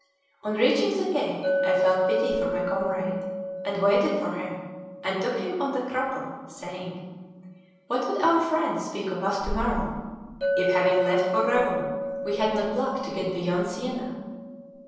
On reaching the gate, I felt pity for my comrade, and waited for him, and took him on the crupper, saying: "What would our friends speak of us to morrow, if, having left for Rome, we had not pluck to get beyond Siena?"